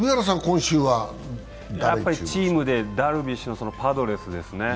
チームでダルビッシュのパドレスですね。